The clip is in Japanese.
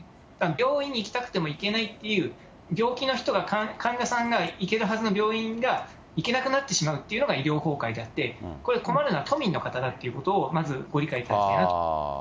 病院に行きたくても行けないという、病気の人が、患者さんが行けるはずの病院が、行けなくなってしまうというのが医療崩壊であって、これ、困るのは都民の方だということをまずご理解いただきたいなと。